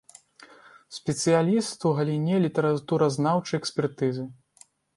Спецыяліст у галіне літаратуразнаўчай экспертызы.